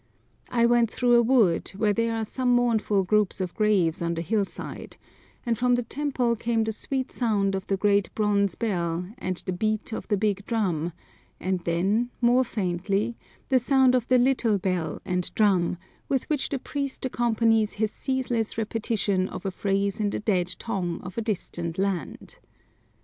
I went through a wood, where there are some mournful groups of graves on the hillside, and from the temple came the sweet sound of the great bronze bell and the beat of the big drum, and then, more faintly, the sound of the little bell and drum, with which the priest accompanies his ceaseless repetition of a phrase in the dead tongue of a distant land.